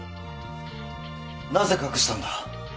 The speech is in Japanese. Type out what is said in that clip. なぜ隠したんだ！？